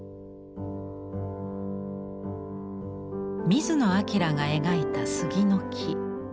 水野暁が描いた杉の木。